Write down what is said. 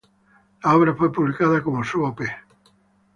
La obra fue publicada como su Op.